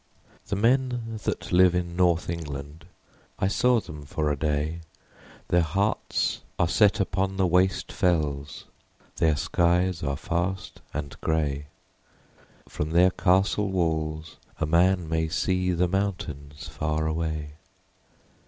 The men that live in North England I saw them for a day : Their hearts are set upon the waste fells, Their skies are fast and grey ; From their castle walls a man may see The mountains far away.